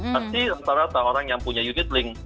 pasti antara orang yang punya unit ring